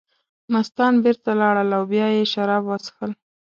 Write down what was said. مستان بېرته لاړل او بیا یې شراب وڅښل.